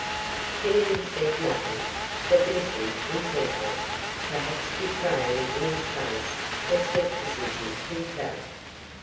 Kennedy said nothing, but listened intently, perhaps betraying in his face the scepticism he felt.